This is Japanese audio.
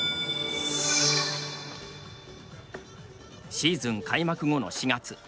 シーズン開幕後の４月。